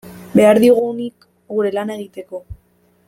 Behar diogunik gure lana egiteko.